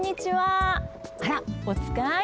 あらおつかい？